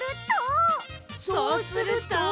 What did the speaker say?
そうすると。